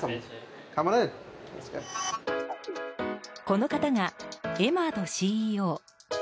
この方がエマードＣＥＯ。